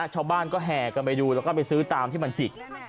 ชาวบ้านก็แห่กันไปดูแล้วก็ไปซื้อตามที่มันจิก